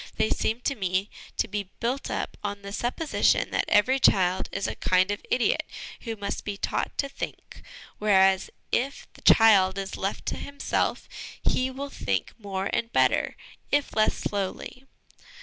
They seem to me to be built 196 HOME EDUCATION up on the supposition that every child is a kind of idiot who must be taught to think, whereas if the child is left to himself he will think more and better, if less showily.